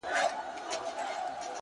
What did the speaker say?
ستا د شعر دنيا يې خوښـه سـوېده ـ